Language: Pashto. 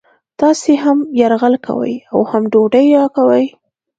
تاسې هم یرغل کوئ او هم ډوډۍ راکوئ